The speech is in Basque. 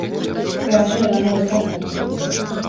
Erasoa igande goizean gertatu zen.